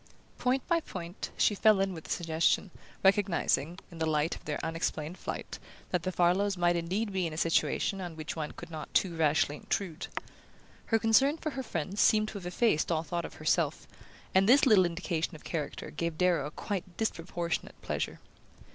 Point by point, she fell in with the suggestion, recognizing, in the light of their unexplained flight, that the Farlows might indeed be in a situation on which one could not too rashly intrude. Her concern for her friends seemed to have effaced all thought of herself, and this little indication of character gave Darrow a quite disproportionate pleasure.